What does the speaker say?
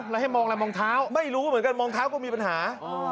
แล้วให้มองอะไรมองเท้าไม่รู้เหมือนกันมองเท้าก็มีปัญหา